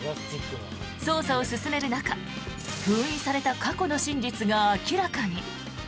捜査を進める中、封印された過去の真実が明らかに。